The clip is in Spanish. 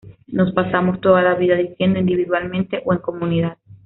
Nos pasamos toda la vida decidiendo, individualmente o en comunidad.